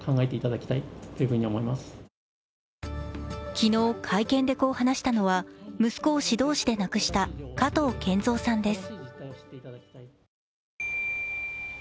昨日、会見でこう話したのは、息子を指導死で亡くした加藤健三さんです。